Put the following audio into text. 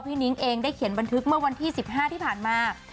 นิ้งเองได้เขียนบันทึกเมื่อวันที่๑๕ที่ผ่านมา